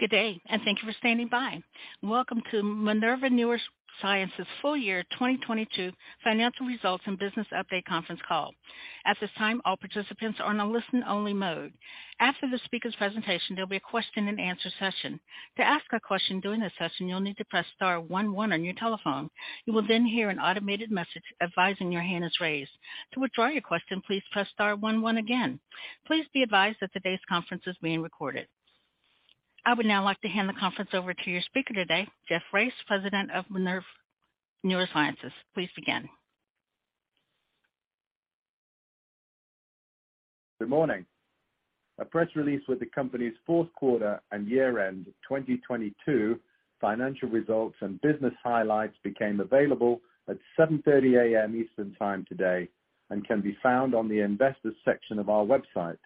Good day. Thank you for standing by. Welcome to Minerva Neurosciences full year 2022 financial results and business update conference call. At this time, all participants are on a listen-only mode. After the speaker's presentation, there'll be a question-and-answer session. To ask a question during this session, you'll need to press star one one on your telephone. You will hear an automated message advising your hand is raised. To withdraw your question, please press star one one again. Please be advised that today's conference is being recorded. I would now like to hand the conference over to your speaker today, Geoff Race, President of Minerva Neurosciences. Please begin. Good morning. A press release with the company's fourth quarter and year-end 2022 financial results and business highlights became available at 7:30 A.M. Eastern time today and can be found on the investors section of our website.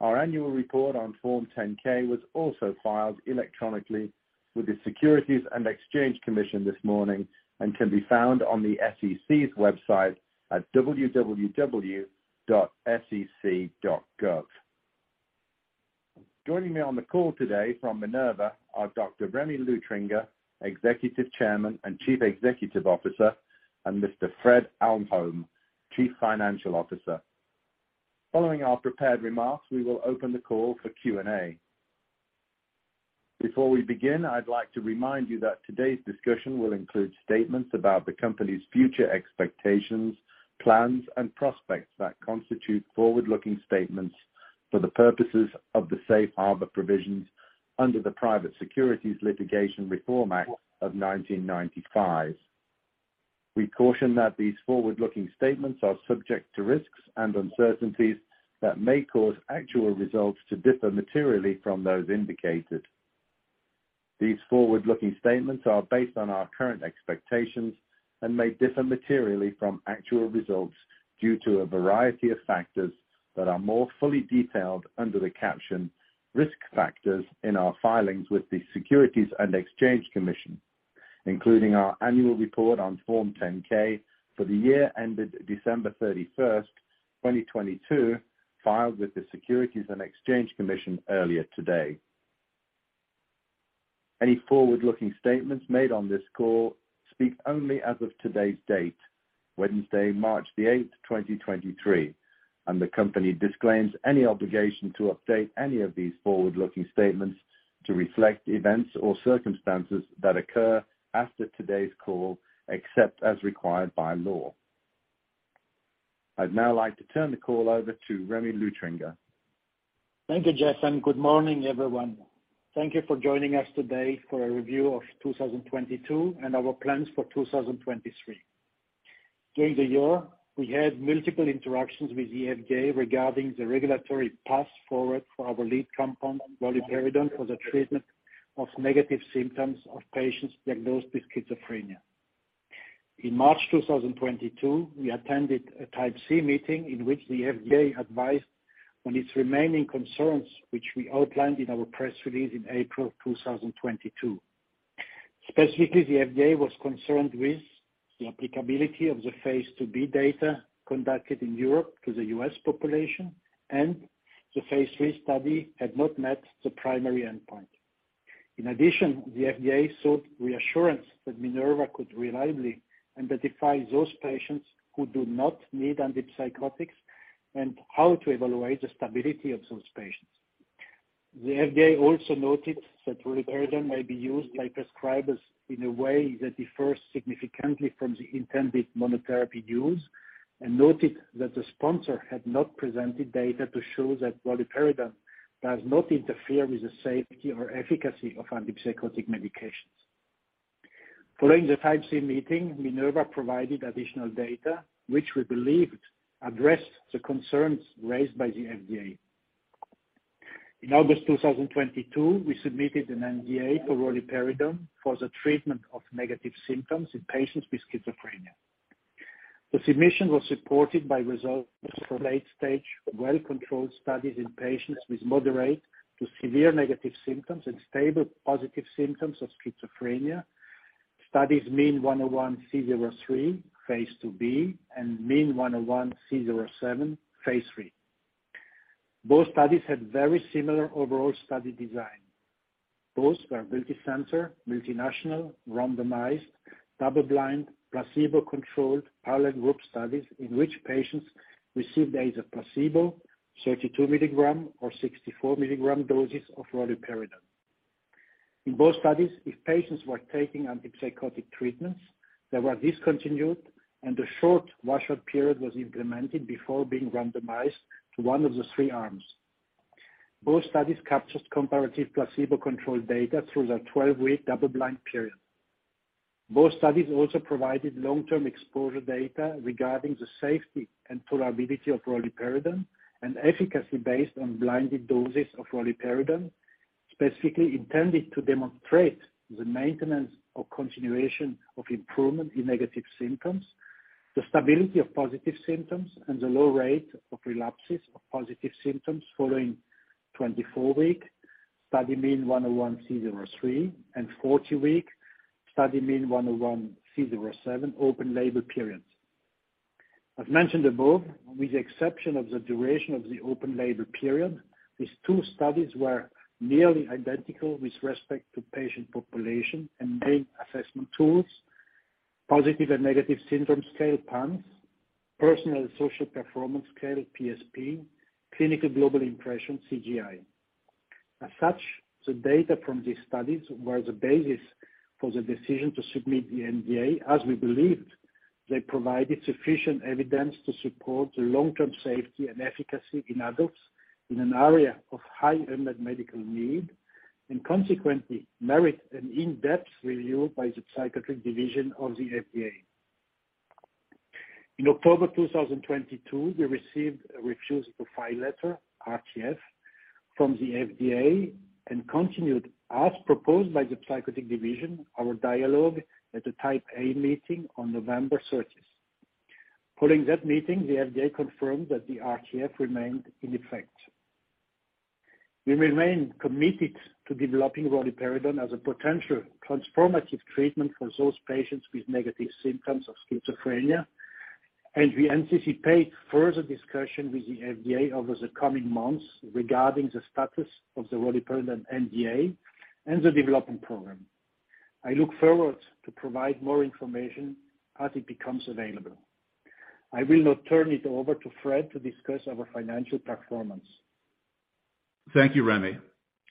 Our annual report on Form 10-K was also filed electronically with the Securities and Exchange Commission this morning and can be found on the SEC's website at www.sec.gov. Joining me on the call today from Minerva are Dr. Remy Luthringer, Executive Chairman and Chief Executive Officer, and Mr. Fred Ahlholm, Chief Financial Officer. Following our prepared remarks, we will open the call for Q&A. Before we begin, I'd like to remind you that today's discussion will include statements about the company's future expectations, plans, and prospects that constitute forward-looking statements for the purposes of the safe harbor provisions under the Private Securities Litigation Reform Act of 1995. We caution that these forward-looking statements are subject to risks and uncertainties that may cause actual results to differ materially from those indicated. These forward-looking statements are based on our current expectations and may differ materially from actual results due to a variety of factors that are more fully detailed under the caption Risk Factors in our filings with the Securities and Exchange Commission, including our annual report on Form 10-K for the year ended December 31st, 2022, filed with the Securities and Exchange Commission earlier today. Any forward-looking statements made on this call speak only as of today's date, Wednesday, March 8th, 2023, and the company disclaims any obligation to update any of these forward-looking statements to reflect events or circumstances that occur after today's call, except as required by law. I'd now like to turn the call over to Remy Luthringer. Thank you, Jeff, and good morning, everyone. Thank you for joining us today for a review of 2022 and our plans for 2023. During the year, we had multiple interactions with the FDA regarding the regulatory path forward for our lead compound, roluperidone, for the treatment of negative symptoms of patients diagnosed with schizophrenia. In March 2022, we attended a Type C Meeting in which the FDA advised on its remaining concerns, which we outlined in our press release in April of 2022. Specifically, the FDA was concerned with the applicability of the phase II-B data conducted in Europe to the U.S. population, and the phase III study had not met the primary endpoint. In addition, the FDA sought reassurance that Minerva could reliably identify those patients who do not need antipsychotics and how to evaluate the stability of those patients. The FDA also noted that roluperidone may be used by prescribers in a way that differs significantly from the intended monotherapy use and noted that the sponsor had not presented data to show that roluperidone does not interfere with the safety or efficacy of antipsychotic medications. Following the Type C Meeting, Minerva provided additional data, which we believed addressed the concerns raised by the FDA. In August 2022, we submitted an NDA for roluperidone for the treatment of negative symptoms in patients with schizophrenia. The submission was supported by results from late-stage, well-controlled studies in patients with moderate to severe negative symptoms and stable positive symptoms of schizophrenia. Studies MIN-101C03, phase II-B, and MIN-101C07, phase III. Both studies had very similar overall study design. Both were multi-center, multinational, randomized, double-blind, placebo-controlled parallel group studies in which patients received either placebo 32 mg or 64 mg doses of roluperidone. In both studies, if patients were taking antipsychotic treatments, they were discontinued, and a short washout period was implemented before being randomized to one of the three arms. Both studies captured comparative placebo-controlled data through the 12-week double-blind period. Both studies also provided long-term exposure data regarding the safety and tolerability of roluperidone and efficacy based on blinded doses of roluperidone, specifically intended to demonstrate the maintenance or continuation of improvement in negative symptoms, the stability of positive symptoms, and the low rate of relapses of positive symptoms following 24-week study MIN-101C03 and 40-week study MIN-101C07 open label periods. I've mentioned above, with the exception of the duration of the open label period, these two studies were nearly identical with respect to patient population and main assessment tools, Positive and Negative Syndrome Scale, PANSS, Personal and Social Performance Scale, PSP, Clinical Global Impression, CGI. As such, the data from these studies were the basis for the decision to submit the NDA, as we believed they provided sufficient evidence to support the long-term safety and efficacy in adults in an area of high unmet medical need, and consequently merit an in-depth review by the psychiatric division of the FDA. In October 2022, we received a Refuse to File letter, RTF, from the FDA and continued as proposed by the psychiatric division, our dialogue at the Type A meeting on November 30th. Following that meeting, the FDA confirmed that the RTF remained in effect. We remain committed to developing roluperidone as a potential transformative treatment for those patients with negative symptoms of schizophrenia, and we anticipate further discussion with the FDA over the coming months regarding the status of the roluperidone NDA and the development program. I look forward to provide more information as it becomes available. I will now turn it over to Fred Ahlholm to discuss our financial performance. Thank you, Remy.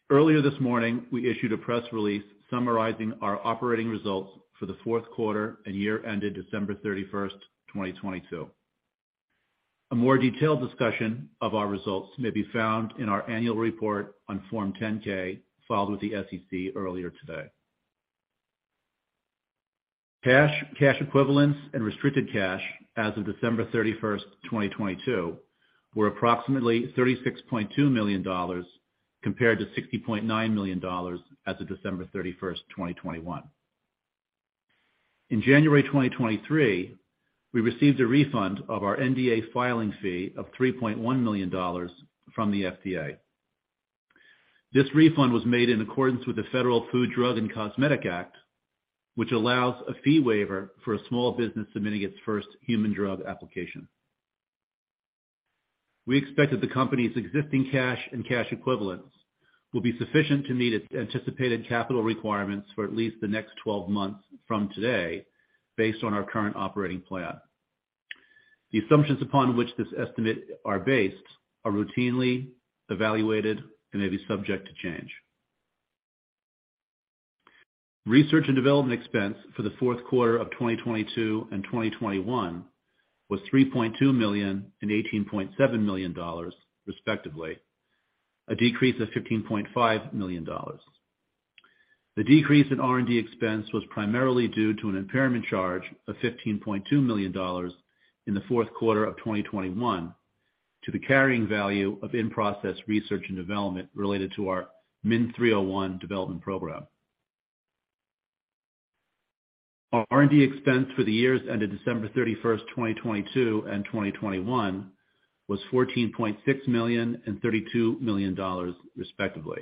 Earlier this morning, we issued a press release summarizing our operating results for the fourth quarter and year ended December 31st, 2022. A more detailed discussion of our results may be found in our annual report on Form 10-K, filed with the SEC earlier today. Cash, cash equivalents and restricted cash as of December 31st, 2022, were approximately $36.2 million compared to $60.9 million as of December 31st, 2021. In January 2023, we received a refund of our NDA filing fee of $3.1 million from the FDA. This refund was made in accordance with the Federal Food, Drug, and Cosmetic Act, which allows a fee waiver for a small business submitting its first human drug application. We expect that the company's existing cash and cash equivalents will be sufficient to meet its anticipated capital requirements for at least the next 12 months from today, based on our current operating plan. The assumptions upon which this estimate are based are routinely evaluated and may be subject to change. Research and development expense for the fourth quarter of 2022 and 2021 was $3.2 million and $18.7 million, respectively, a decrease of $15.5 million. The decrease in R&D expense was primarily due to an impairment charge of $15.2 million in the fourth quarter of 2021 to the carrying value of in-process research and development related to our MIN-301 development program. Our R&D expense for the years ended December 31st, 2022 and 2021 was $14.6 million and $32 million, respectively,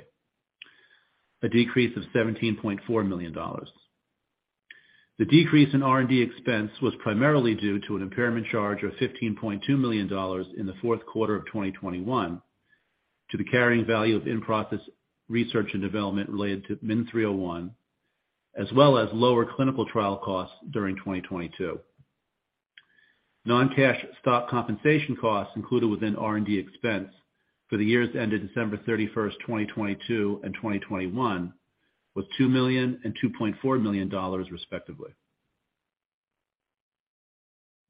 a decrease of $17.4 million. The decrease in R&D expense was primarily due to an impairment charge of $15.2 million in the fourth quarter of 2021 to the carrying value of in-process research and development related to MIN-301, as well as lower clinical trial costs during 2022. Non-cash stock compensation costs included within R&D expense for the years ended December 31st, 2022 and 2021 was $2 million and $2.4 million, respectively.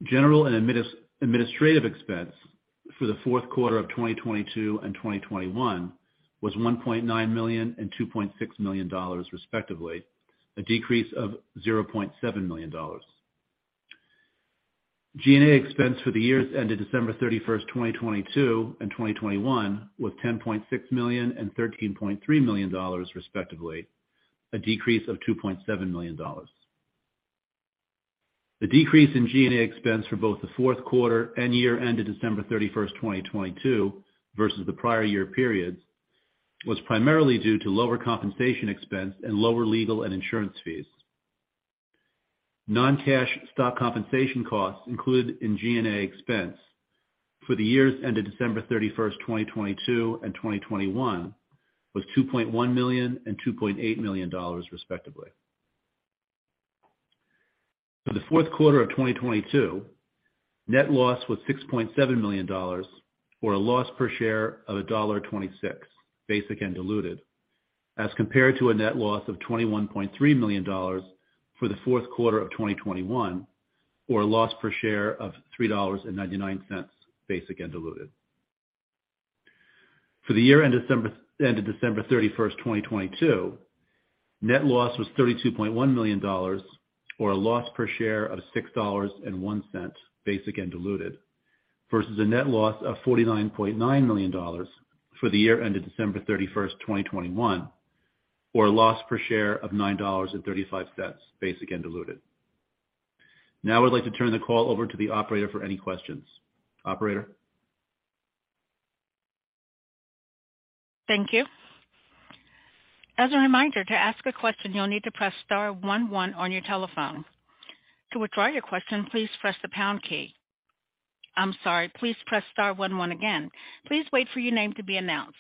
General and administrative expense for the fourth quarter of 2022 and 2021 was $1.9 million and $2.6 million, respectively, a decrease of $0.7 million. G&A expense for the years ended December 31st, 2022 and 2021 was $10.6 million and $13.3 million, respectively, a decrease of $2.7 million. The decrease in G&A expense for both the fourth quarter and year ended December 31st, 2022 versus the prior year periods was primarily due to lower compensation expense and lower legal and insurance fees. Non-cash stock compensation costs included in G&A expense for the years ended December 31st, 2022 and 2021 was $2.1 million and $2.8 million, respectively. For the fourth quarter of 2022, net loss was $6.7 million, or a loss per share of $1.26, basic and diluted, as compared to a net loss of $21.3 million for the fourth quarter of 2021, or a loss per share of $3.99, basic and diluted. For the year ended December 31st, 2022, net loss was $32.1 million, or a loss per share of $6.01, basic and diluted, versus a net loss of $49.9 million for the year ended December 31st, 2021, or a loss per share of $9.35, basic and diluted. I'd like to turn the call over to the operator for any questions. Operator? Thank you. As a reminder, to ask a question, you'll need to press star one one on your telephone. To withdraw your question, please press the pound key. I'm sorry. Please press star one one again. Please wait for your name to be announced.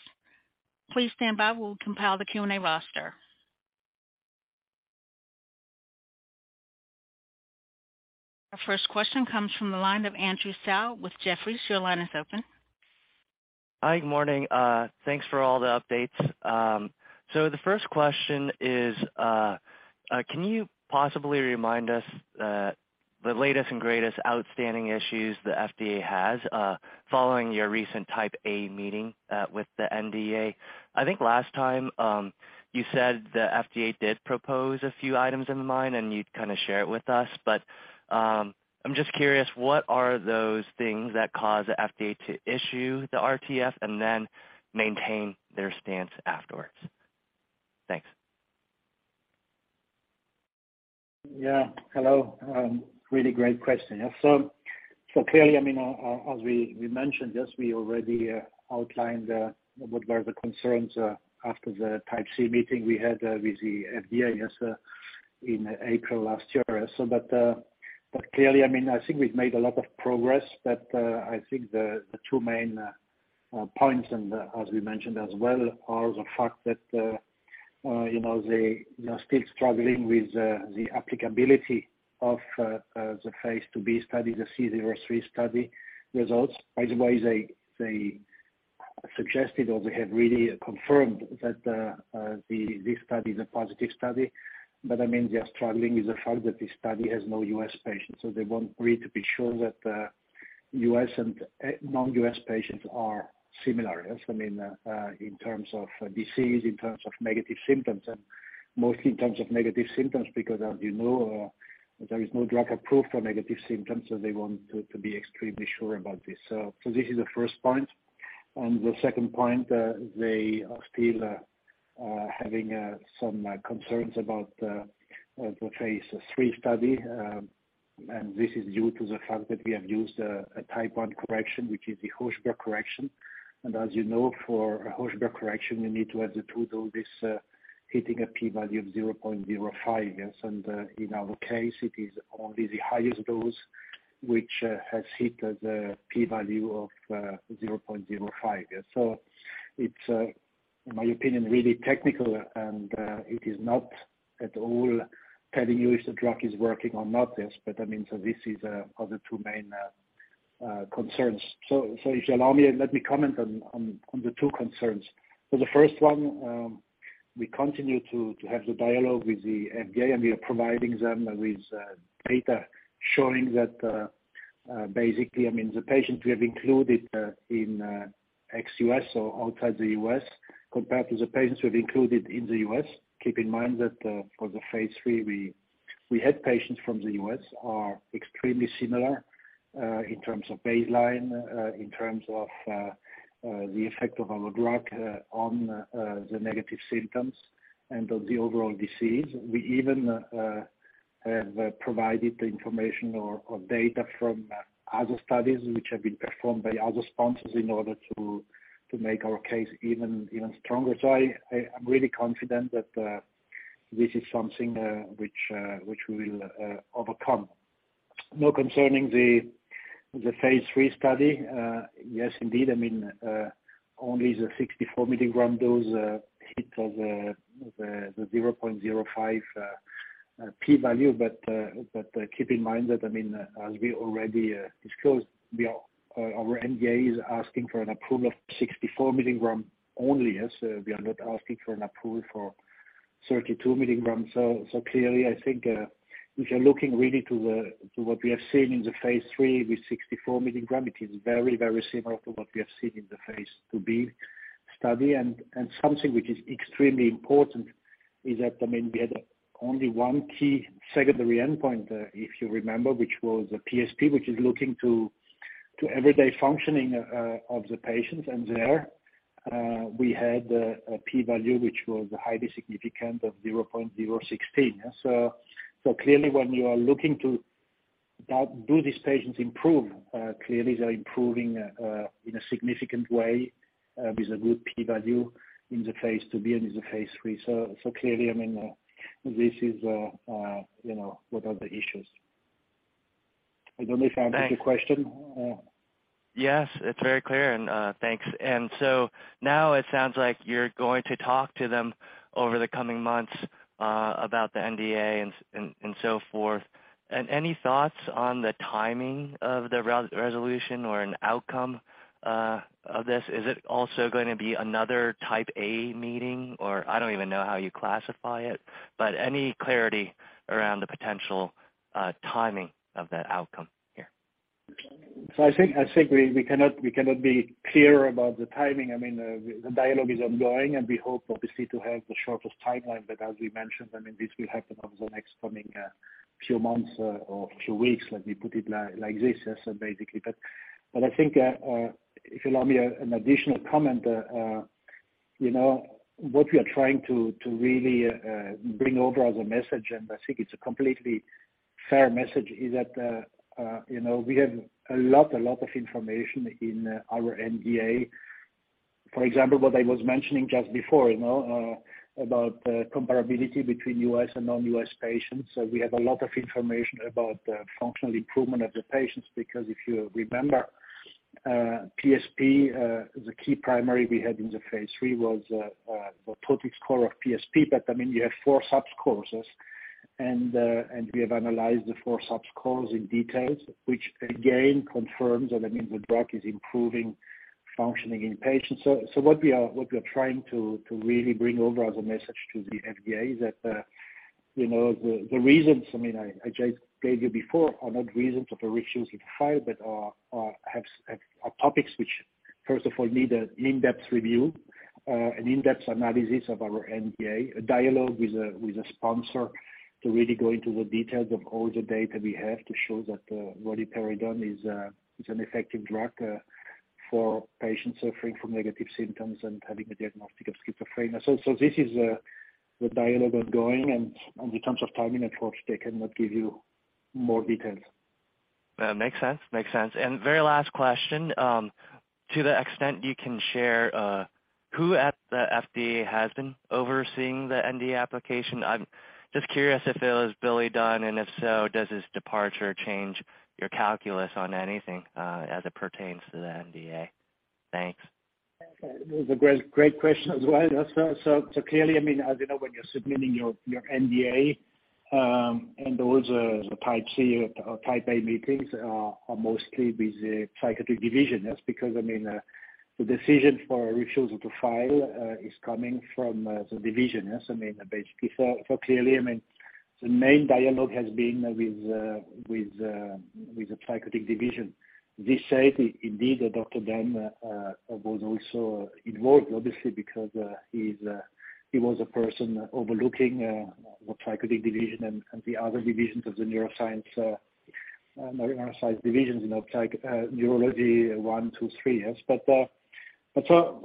Please stand by while we compile the Q&A roster. Our first question comes from the line of Andrew Tsai with Jefferies. Your line is open. Hi, good morning. Thanks for all the updates. The first question is, can you possibly remind us the latest and greatest outstanding issues the FDA has following your recent Type A meeting with the NDA? I think last time, you said the FDA did propose a few items in mind, and you'd kinda share it with us. I'm just curious, what are those things that cause the FDA to issue the RTF and then maintain their stance afterwards? Thanks. Hello. Really great question. Clearly, I mean, as we mentioned, yes, we already outlined what were the concerns after the Type C Meeting we had with the FDA, yes, in April last year. But clearly, I mean, I think we've made a lot of progress, but I think the two main points and as we mentioned as well, are the fact that, you know, they are still struggling with the applicability of the phase II-B study, the MIN-101C03 study results. By the way, they suggested or they have really confirmed that the study is a positive study. I mean, they are struggling with the fact that this study has no U.S. patients. They want really to be sure that the U.S. and non-U.S. patients are similar. Yes. I mean, in terms of disease, in terms of negative symptoms, and mostly in terms of negative symptoms, because as you know, there is no drug approved for negative symptoms. They want to be extremely sure about this. This is the first point. On the second point, they are still having some concerns about the phase III study. This is due to the fact that we have used a type 1 correction, which is the Hochberg correction. As you know, for Hochberg correction you need to have the two doses hitting a P value of 0.05. Yes. In our case it is only the highest dose which has hit the P value of 0.05. It's, in my opinion, really technical and it is not at all telling you if the drug is working or not. Yes. I mean, this is are the two main concerns. If you allow me, let me comment on the two concerns. The first one, we continue to have the dialogue with the FDA and we are providing them with data showing that basically, I mean, the patients we have included in ex-U.S. or outside the U.S. compared to the patients we've included in the U.S. Keep in mind that for the phase III, we had patients from the U.S. are extremely similar in terms of baseline, in terms of the effect of our drug on the negative symptoms and of the overall disease. We even have provided the information or data from other studies which have been performed by other sponsors in order to make our case even stronger. I am really confident that this is something which we will overcome. Now concerning the phase III study. Yes, indeed. I mean, only the 64 mg dose hit of the 0.05 P value. Keep in mind that, I mean, as we already discussed our NDA is asking for an approval of 64 mg only. Yes. We are not asking for an approval for 32 mgs. Clearly, I think, if you're looking really to what we have seen in the phase III with 64 mg, it is very, very similar to what we have seen in the phase II-B study. Something which is extremely important is that, I mean, we had only one key secondary endpoint, if you remember, which was the PSP, which is looking to everyday functioning of the patients. There we had a P value which was highly significant of 0.016. Clearly when you are looking to do these patients improve? Clearly they're improving in a significant way with a good P value in the phase II-B and in the phase III. Clearly, I mean, this is, you know, what are the issues? I don't know if I answered the question. Yes, it's very clear and thanks. Now it sounds like you're going to talk to them over the coming months about the NDA and so forth. Any thoughts on the timing of the resolution or an outcome of this? Is it also going to be another Type A meeting? I don't even know how you classify it, but any clarity around the potential timing of that outcome here? I think we cannot be clear about the timing. I mean, the dialogue is ongoing and we hope obviously to have the shortest timeline. As we mentioned, I mean, this will happen on the next coming few months or few weeks, let me put it like this. Yes. Basically. I think, if you allow me an additional comment, you know what we are trying to really bring over as a message, and I think it's a completely fair message is that, you know, we have a lot, a lot of information in our NDA. For example, what I was mentioning just before, you know, about comparability between U.S. and non-U.S. Patients. We have a lot of information about the functional improvement of the patients because if you remember, PSP, the key primary we had in the phase III was the total score of PSP. I mean, you have four subscores. We have analyzed the four subscores in details, which again confirms that, I mean, the drug is improving functioning in patients. What we are trying to really bring over as a message to the FDA is that, you know, the reasons I just gave you before are not reasons of a Refuse to File, but are topics which, first of all, need an in-depth review, an in-depth analysis of our NDA, a dialogue with a sponsor to really go into the details of all the data we have to show that roluperidone is an effective drug for patients suffering from negative symptoms and having a diagnostic of schizophrenia. This is the dialogue ongoing, and in terms of timing, of course, I cannot give you more details. Makes sense. Makes sense. Very last question. To the extent you can share, who at the FDA has been overseeing the NDA application? I'm just curious if it was Billy Dunn, and if so, does his departure change your calculus on anything as it pertains to the NDA? Thanks. That was a great question as well. That's. Clearly, I mean, as you know, when you're submitting your NDA, and those Type C or Type A meetings are mostly with the psychiatric division. That's because, I mean, the decision for a Refuse to File is coming from the division. Yes, I mean, basically for clearly, I mean, the main dialogue has been with the psychiatric division. This said, indeed, Dr. Dunn was also involved obviously because he's, he was a person overlooking the psychiatric division and the other divisions of the neuroscience divisions, you know, neurology one, two, three. Yes.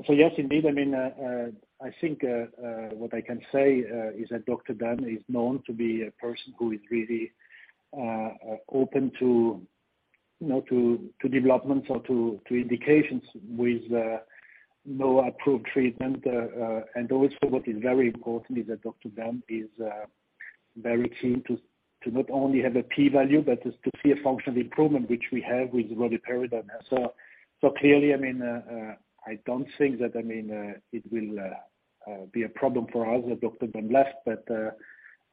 Yes, indeed, I mean, I think, what I can say is that Dr. Dunn is known to be a person who is really open to, you know, to developments or to indications with no approved treatment. Also what is very important is that Dr. Dunn is very keen to not only have a P value, but is to see a functional improvement which we have with roluperidone. Clearly, I mean, I don't think that, I mean, it will be a problem for us that Dr. Dunn left, but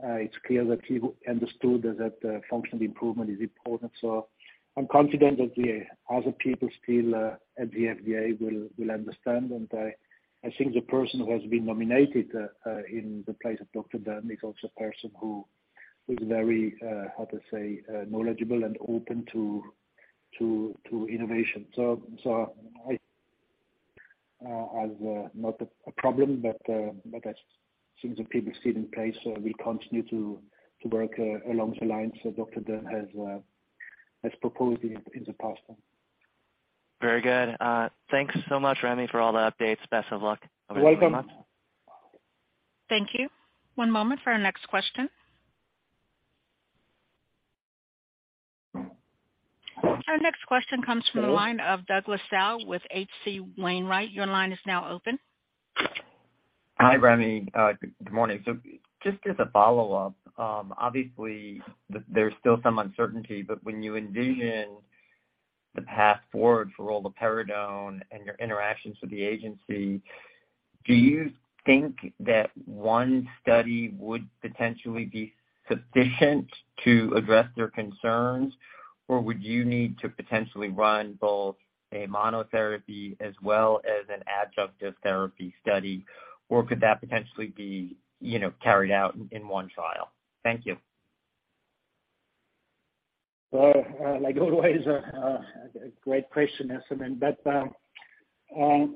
it's clear that he understood that functional improvement is important. I'm confident that the other people still at the FDA will understand. I think the person who has been nominated in the place of Dr. Dunn is also a person who is very, how to say, knowledgeable and open to innovation. I, as not a problem, but I since the people still in place, we continue to work along the lines that Dr. Dunn has proposed in the past. Very good. Thanks so much, Remy, for all the updates. Best of luck. You're welcome. Thank you. One moment for our next question. Our next question comes from the line of Douglas Tsao with H.C. Wainwright. Your line is now open. Hi, Remy. Good morning. Just as a follow-up, obviously there's still some uncertainty, but when you envision the path forward for roluperidone and your interactions with the agency, do you think that one study would potentially be sufficient to address their concerns, or would you need to potentially run both a monotherapy as well as an adjunctive therapy study, or could that potentially be, you know, carried out in one trial? Thank you. Like always, a great question, yes, I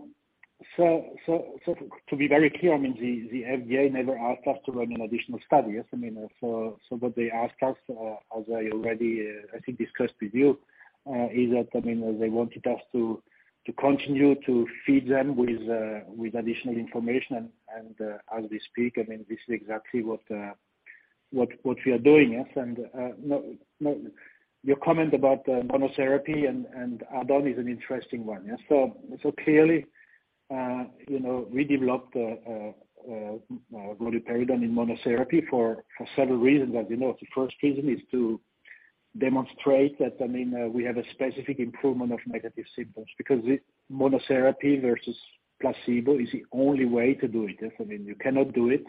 mean. To be very clear, I mean, the FDA never asked us to run an additional study. Yes, I mean, so what they asked us, as I already, I think discussed with you, is that, I mean, they wanted us to continue to feed them with additional information. As we speak, I mean, this is exactly what we are doing. Yes. No... Your comment about monotherapy and add-on is an interesting one. Yes. Clearly, you know, we developed roluperidone in monotherapy for several reasons. As you know, the first reason is to demonstrate that, I mean, we have a specific improvement of negative symptoms because monotherapy versus placebo is the only way to do it. Yes. I mean, you cannot do it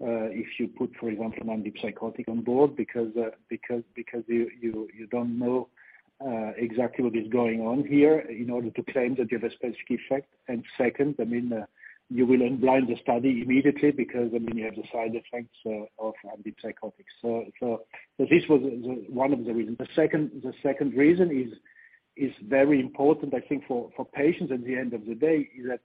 if you put, for example, an antipsychotic on board because you don't know exactly what is going on here in order to claim that you have a specific effect. Second, I mean, you will unblind the study immediately because, I mean, you have the side effects of antipsychotics. This was one of the reasons. The second reason is very important, I think, for patients at the end of the day, is that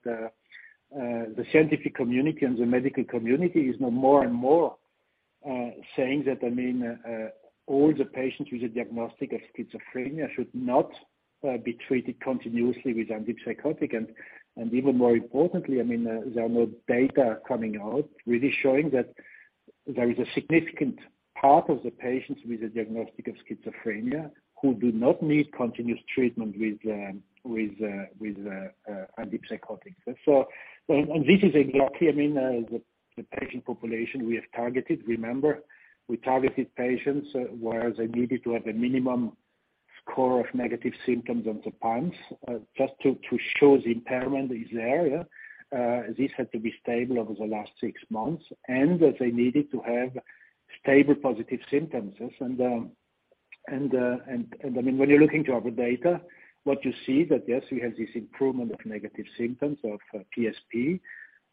the scientific community and the medical community is now more and more saying that, I mean, all the patients with a diagnostic of schizophrenia should not be treated continuously with antipsychotic. Even more importantly, I mean, there are more data coming out really showing that there is a significant part of the patients with a diagnostic of schizophrenia who do not need continuous treatment with antipsychotics. This is exactly, I mean, the patient population we have targeted. Remember, we targeted patients where they needed to have a minimum score of negative symptoms on the PANSS, just to show the impairment is there. This had to be stable over the last six months. They needed to have stable positive symptoms. I mean, when you're looking to our data, what you see that, yes, we have this improvement of negative symptoms of PSP,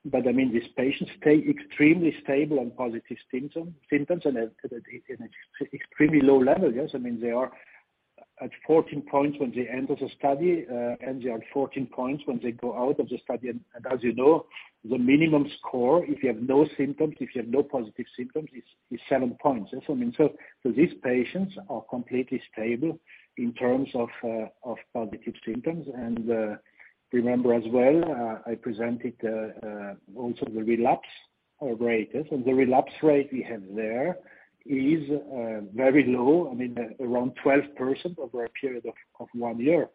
but I mean, these patients stay extremely stable on positive symptoms and at extremely low levels. Yes, I mean, they are at 14 points when they end of the study. They are at 14 points when they go out of the study. As you know, the minimum score, if you have no symptoms, if you have no positive symptoms, is 7 points. Yes, I mean, so these patients are completely stable in terms of positive symptoms. Remember as well, I presented also the relapse rates. The relapse rate we have there is very low. I mean around 12% over a period of one year,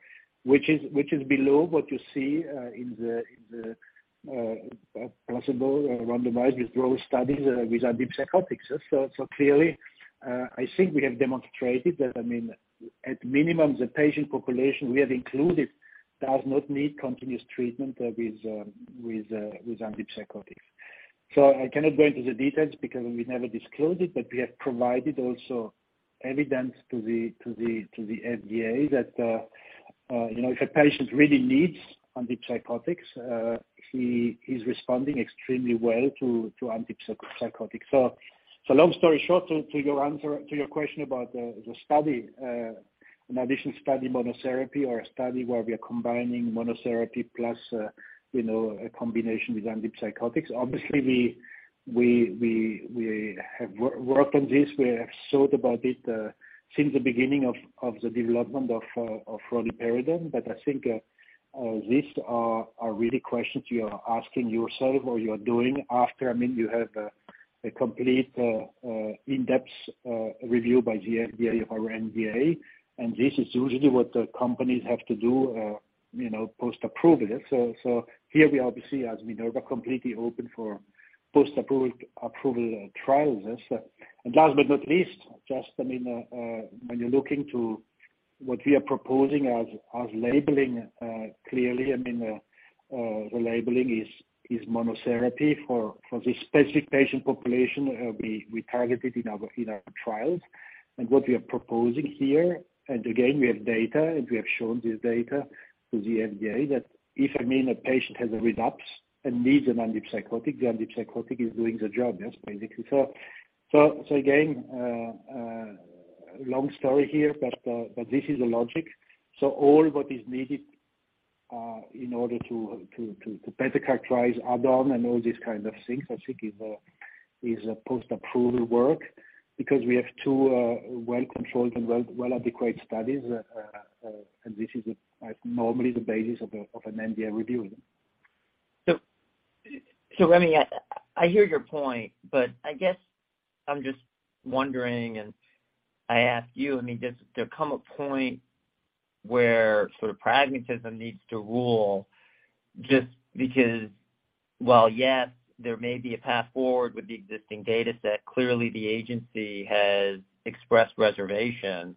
which is below what you see in the possible randomized withdrawal studies with antipsychotics. Clearly, I think we have demonstrated that, I mean, at minimum the patient population we have included does not need continuous treatment with antipsychotics. I cannot go into the details because we never disclosed it, but we have provided also evidence to the FDA that, you know, if a patient really needs antipsychotics, he is responding extremely well to antipsychotics. Long story short to your answer, to your question about the study. An additional study monotherapy or a study where we are combining monotherapy plus, you know, a combination with antipsychotics. Obviously we have worked on this. We have thought about it since the beginning of the development of roluperidone. I think these are really questions you are asking yourself or you're doing after. I mean, you have a complete in-depth review by the FDA of our NDA. This is usually what the companies have to do, you know, post-approval. Here we are obviously as Minerva completely open for post-approval trials. Yes. Last but not least, just, I mean, when you're looking to what we are proposing as labeling, clearly, I mean, the labeling is monotherapy for the specific patient population, we targeted in our trials. What we are proposing here, and again, we have data, and we have shown this data to the FDA that if, I mean, a patient has a relapse and needs an antipsychotic, the antipsychotic is doing the job. Yes, basically. Again, long story here, but this is the logic. All what is needed, in order to better characterize add-on and all these kind of things, I think is a post-approval work because we have two well controlled and well adequate studies. This is, normally the basis of a, of an NDA review. I hear your point, but I guess I'm just wondering, and I ask you, I mean, does there come a point where sort of pragmatism needs to rule just because while, yes, there may be a path forward with the existing dataset, clearly the agency has expressed reservations.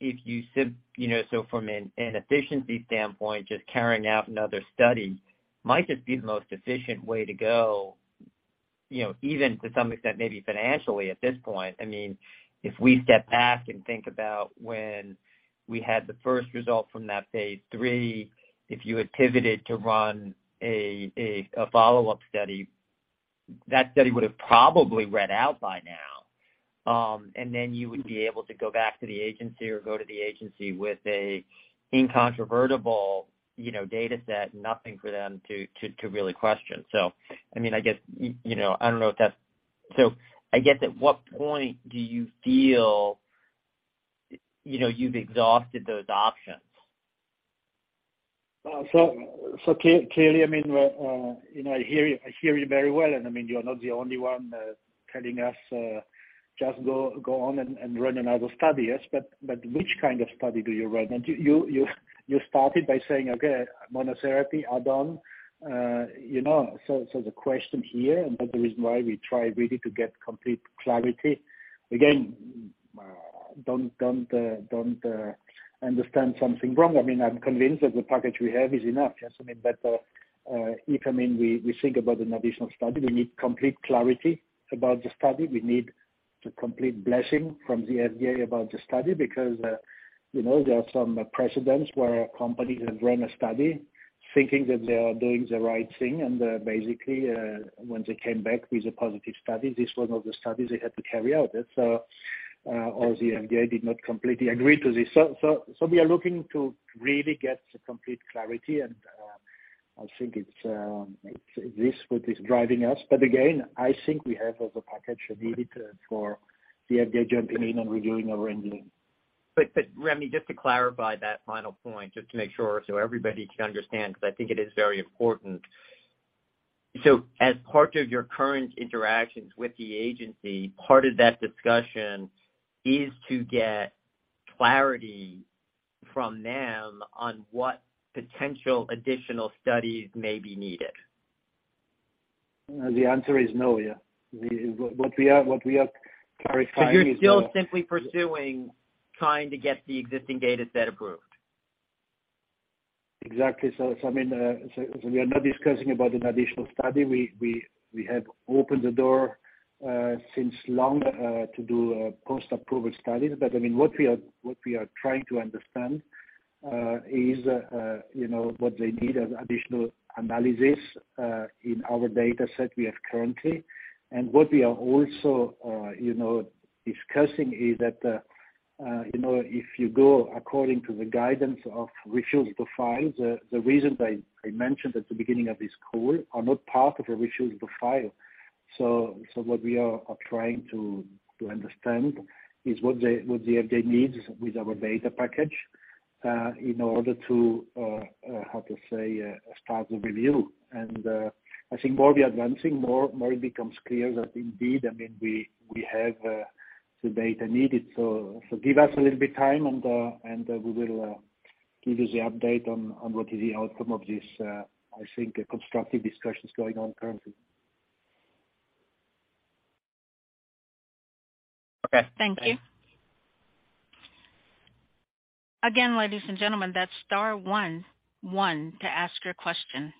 If you know, so from an efficiency standpoint, just carrying out another study might just be the most efficient way to go, you know, even to some extent, maybe financially at this point. I mean, if we step back and think about when we had the first result from that phase III, if you had pivoted to run a follow-up study, that study would've probably read out by now. You would be able to go back to the agency or go to the agency with a incontrovertible, you know, dataset, nothing for them to really question. I mean, I guess, you know, I don't know if that's. I guess, at what point do you feel, you know, you've exhausted those options? You know, I hear you, I hear you very well, and I mean, you're not the only one telling us, just go on and run another study. Yes. But which kind of study do you run? And you started by saying, okay, monotherapy add-on. You know, so the question here, and that's the reason why we try really to get complete clarity. Again, don't understand something wrong. I mean, I'm convinced that the package we have is enough. Yes. I mean, but if, I mean, we think about an additional study, we need complete clarity about the study We need the complete blessing from the FDA about the study because, you know, there are some precedents where a company has run a study thinking that they are doing the right thing. Basically, when they came back with a positive study, this was not the studies they had to carry out. Or the FDA did not completely agree to this. We are looking to really get the complete clarity and I think it's this what is driving us. Again, I think we have as a package needed for the FDA jumping in and reviewing our NDA. Remy, just to clarify that final point, just to make sure so everybody can understand, because I think it is very important. As part of your current interactions with the agency, part of that discussion is to get clarity from them on what potential additional studies may be needed. The answer is no, yeah. What we are clarifying is... You're still simply pursuing trying to get the existing data set approved. Exactly. I mean, so we are not discussing about an additional study. We have opened the door since long to do post-approval studies. I mean, what we are trying to understand is, you know, what they need as additional analysis in our data set we have currently. What we are also, you know, discussing is that, you know, if you go according to the guidance of Refuse to File, the reasons I mentioned at the beginning of this call are not part of a Refuse to File. What we are trying to understand is what the FDA needs with our data package in order to, how to say, start the review. I think more we are advancing more, more it becomes clear that indeed, I mean, we have the data needed. Give us a little bit time, and we will give you the update on what is the outcome of this, I think constructive discussions going on currently. Okay. Thank you. Again, ladies and gentlemen, that's star one one to ask your question.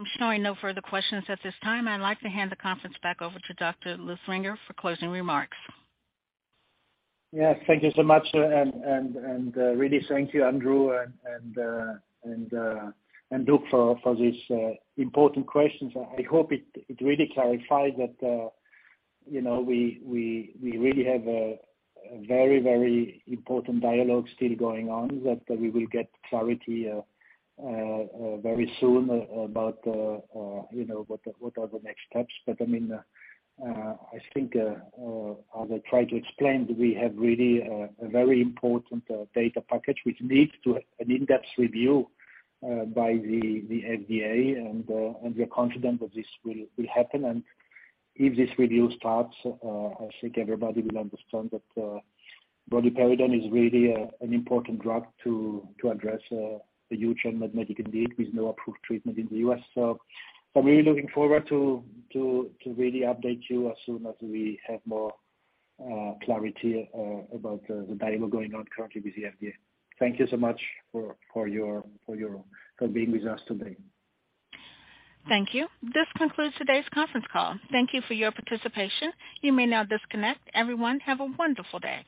I'm showing no further questions at this time. I'd like to hand the conference back over to Dr. Luthringer for closing remarks. Yes. Thank you so much. Really thank you, Andrew Tsai and Doug for this important questions. I hope it really clarified that, you know, we really have a very important dialogue still going on that we will get clarity very soon about, you know, what are the next steps. I mean, I think, as I tried to explain, we have really a very important data package which leads to an in-depth review by the FDA. We are confident that this will happen. If this review starts, I think everybody will understand that roluperidone is really an important drug to address the huge unmet medical need with no approved treatment in the U.S. I'm really looking forward to really update you as soon as we have more clarity about the dialogue going on currently with the FDA. Thank you so much for being with us today. Thank you. This concludes today's conference call. Thank you for your participation. You may now disconnect. Everyone, have a wonderful day.